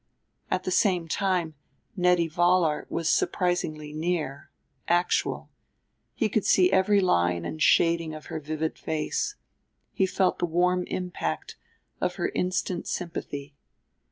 At the same time Nettie Vollar was surprisingly near, actual he could see every line and shading of her vivid face; he felt the warm impact of her instant sympathy.